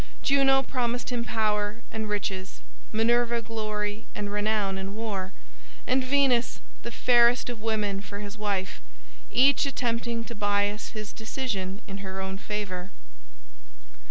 Juno promised him power and riches, Minerva glory and renown in war, and Venus the fairest of women for his wife, each attempting to bias his decision in her own favor.